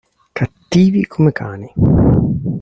Cattivi come cani.